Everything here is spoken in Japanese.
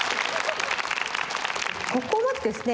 ここまでですね